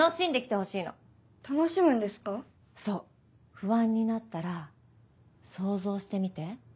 不安になったら想像してみて。